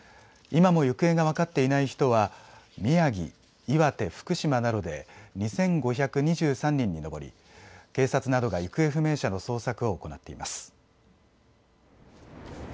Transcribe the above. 今も行方が分かっていない人は宮城、岩手、福島などで２５２３人に上り警察などが行方不明者の捜索を行っています。